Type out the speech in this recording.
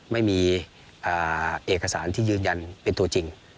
ไม่มีเอกสารที่ยืนยันเป็นตัวจริง